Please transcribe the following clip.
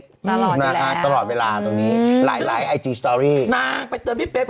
ตลอดอยู่แล้วตลอดเวลาตรงนี้หลายไอจีสตอรี่นางไปเตือนพี่เป๊ก